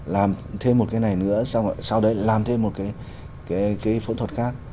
làm thêm một cái này nữa sau đấy làm thêm một cái phẫu thuật khác